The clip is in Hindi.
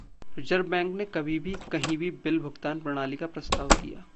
रिजर्व बैंक ने ‘कभी भी, कहीं भी’ बिल भुगतान प्रणाली का प्रस्ताव किया